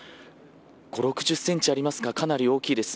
５０６０ｃｍありますかかなり大きいです。